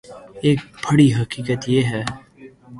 ایک بڑی حقیقت یہ ہے